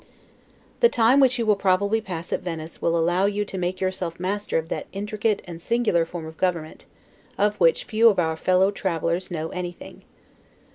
The time which you will probably pass at Venice will allow you to make yourself master of that intricate and singular form of government, of which few of our travelers know anything.